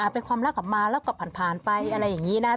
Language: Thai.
ไปความรักกลับมาแล้วก็ผ่านไปอะไรอย่างนี้นะ